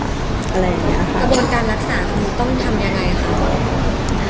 ขมวการรักษาก็ต้องทำอย่างไรคะ